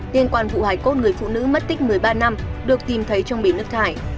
liên quan vụ hải cốt người phụ nữ mất tích một mươi ba năm được tìm thấy trong bì nước thải